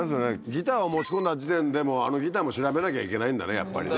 ギターを持ち込んだ時点であのギターも調べなきゃいけないんだねやっぱりね。